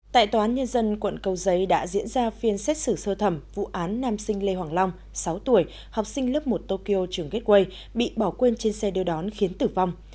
tại tòa án nhân dân quận cầu giấy đã diễn ra phiên xét xử sơ thẩm vụ án nam sinh lê hoàng long sáu tuổi học sinh lớp một tokyo trường gateway bị bỏ quên trên xe đưa đón khiến tử vong